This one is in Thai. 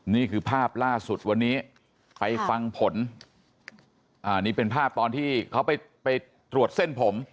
นี่คือภาพล่าสุดวันนี้ไปฟังผลอันนี้เป็นภาพตอนที่เขาไปตรวจเส้นผม